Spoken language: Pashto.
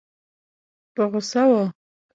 په غوسه وه.